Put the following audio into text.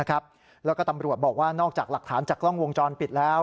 แล้วก็ตำรวจบอกว่านอกจากหลักฐานจากกล้องวงจรปิดแล้ว